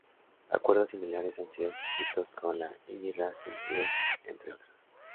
Acuerdos similares han sido suscritos con la Indy Racing League, entre otras.